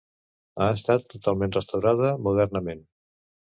Ha estat totalment restaurada modernament.